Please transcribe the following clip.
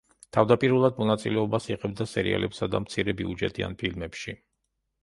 თავდაპირველად მონაწილეობას იღებდა სერიალებსა და მცირებიუჯეტიან ფილმებში.